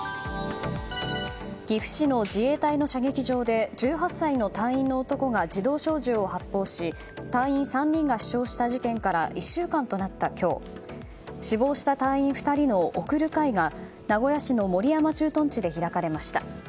岐阜市の自衛隊の射撃場で１８歳の隊員の男が自動小銃を発砲し隊員３人が死傷した事件から１週間となった今日死亡した隊員２人の送る会が、名古屋市の守山駐屯地で開かれました。